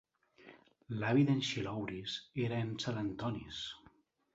L'avi d'en Xilouris era en Psarantonis.